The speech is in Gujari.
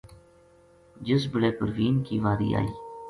جس بِلے پروین کی واری آئی